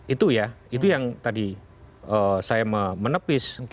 itu ya itu yang tadi saya menepis